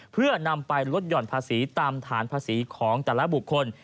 เพื่อนำไปลดหย่อนภาษีตามฐานภาษีของแต่ละบุคคล